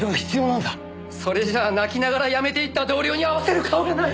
それじゃあ泣きながら辞めていった同僚に会わせる顔がない！